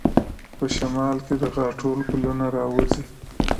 په شمال کې د غاټول ګلونه راوځي.